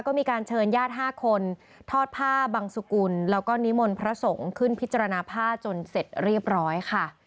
ก็มีการเชิญญาติ๕คนทอดผ้าบังสุกุลแล้วก็นิมนต์พระสงฆ์ขึ้นพิจารณาผ้าจนเสร็จเรียบร้อยค่ะ